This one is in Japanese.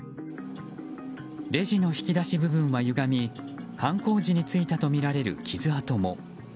レジの引き出し部分は歪み犯行時についたとみられる傷跡も。